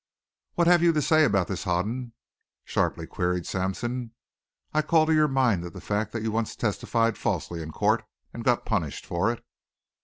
"What have you to say about this, Hoden?" sharply queried Sampson. "I call to your mind the fact that you once testified falsely in court, and got punished for it."